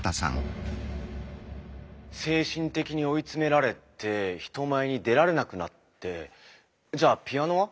精神的に追い詰められて人前に出られなくなってじゃあピアノは？